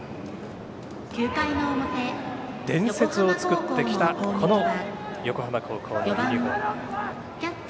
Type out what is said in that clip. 伝説を作ってきたこの横浜高校のユニフォーム。